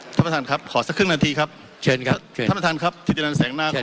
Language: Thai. ท่านประธานครับขอสักครึ่งนาทีครับเชิญครับท่านประธานครับ